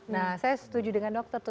nah saya setuju dengan dokter tuh